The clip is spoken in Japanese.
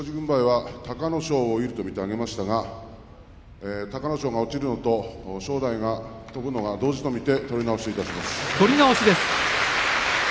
行司軍配は隆の勝有利として上げましたが隆の勝が落ちるのと正代が飛ぶのが同時と見て取り直しです。